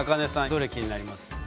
どれ気になりますか？